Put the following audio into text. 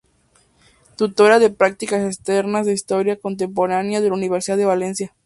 Tutora de prácticas externas de Historia Contemporánea de la Universidad de Valencia.